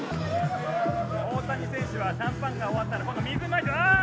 大谷選手はシャンパンが終わったら、今度は水をまいてる。